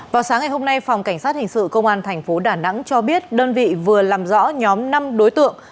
vào sáng ngày hôm nay phòng cảnh sát hình sự công an tp đà nẵng cho biết đơn vị vừa làm rõ nhóm năm đối tượng